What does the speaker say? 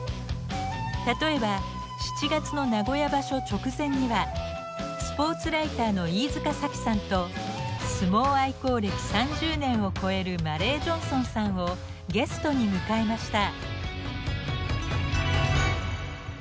例えば７月の名古屋場所直前にはスポーツライターの飯塚さきさんと相撲愛好歴３０年を超えるマレー・ジョンソンさんをゲストに迎えました。